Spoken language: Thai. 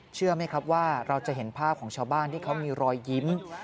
เชื่อไหมครับว่าเราจะเห็นภาพของชาวบ้านที่เขามีรอยยิ้ม